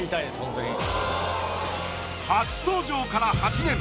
初登場から８年